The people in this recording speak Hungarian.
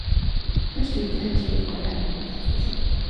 Festői tehetsége korán megmutatkozott.